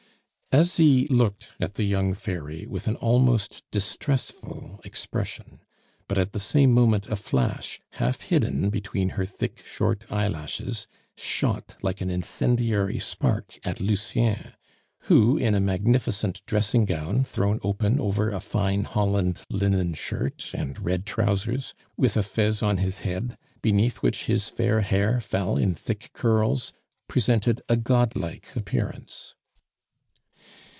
Asie looked at the young fairy with an almost distressful expression; but at the same moment a flash, half hidden between her thick, short eyelashes, shot like an incendiary spark at Lucien, who, in a magnificent dressing gown thrown open over a fine Holland linen shirt and red trousers, with a fez on his head, beneath which his fair hair fell in thick curls, presented a godlike appearance.